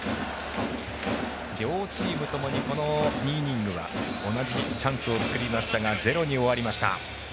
両チームともにこの２イニングは同じチャンスを作りましたがゼロに終わりました。